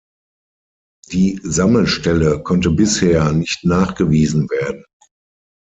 Die Sammelstelle konnte bisher nicht nachgewiesen werden.